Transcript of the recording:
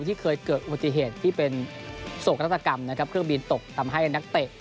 ที่เคยเกิดอุบัติเหตุที่เป็นโศกนาฏกรรมนะครับเครื่องบินตกทำให้นักเตะ